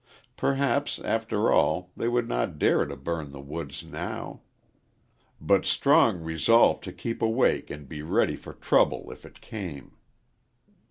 Perhaps, after all, they would not dare to burn the woods now. But Strong resolved to keep awake and be ready for trouble if it came.